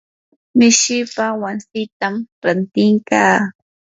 mishipaa wasitam ranti kaa.